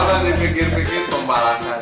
jangan dipikir pikir pembalasan